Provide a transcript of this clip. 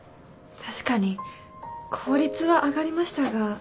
確かに効率は上がりましたが。